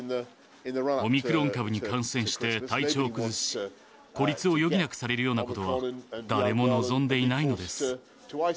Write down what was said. オミクロン株に感染して体調を崩し、孤立を余儀なくされるようなことは、誰も望んでいないのです。